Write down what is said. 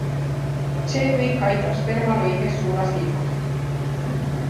See kõik aitab spermal õiges suunas liikuda.